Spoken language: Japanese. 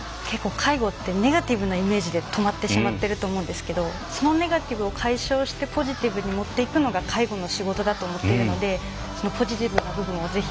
介護ってネガティブなイメージで止まってしまってると思うんですけどそのネガティブを解消してポジティブにもっていくのが介護の仕事だと思うのでそのポジティブな部分をぜひ